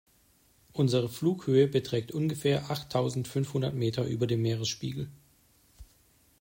Unsere Flughöhe beträgt ungefähr achttausendfünfhundert Meter über dem Meeresspiegel.